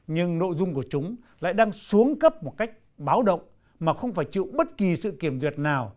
nhưng nội dung của chúng lại đang xuống cấp một cách báo động mà không phải chịu bất kỳ sự kiểm duyệt nào